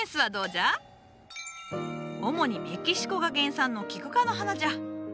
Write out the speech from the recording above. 主にメキシコが原産のキク科の花じゃ。